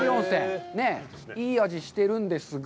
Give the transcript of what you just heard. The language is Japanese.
いい味してるんですが。